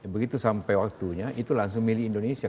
begitu sampai waktunya itu langsung milih indonesia